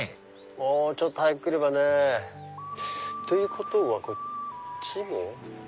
もうちょっと早く来ればね。ということはこっちも。